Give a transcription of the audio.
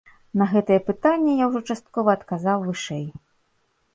На гэтае пытанне я ўжо часткова адказаў вышэй.